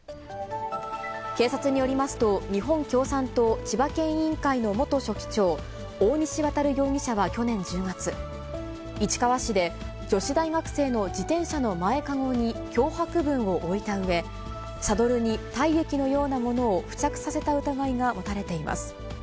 警察によりますと、日本共産党千葉県委員会の元書記長、大西航容疑者は去年１０月、市川市で女子大学生の自転車の前籠に、脅迫文を置いたうえ、サドルに体液のようなものを付着させた疑いが持たれています。